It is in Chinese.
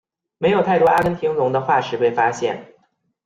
没有太多阿根廷龙的化石被发现。